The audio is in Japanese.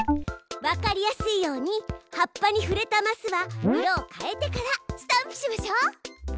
わかりやすいように葉っぱにふれたマスは色を変えてからスタンプしましょう。